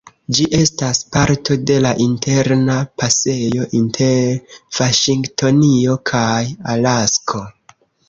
Ĝi estas parto de la Interna Pasejo inter Vaŝingtonio kaj Alasko.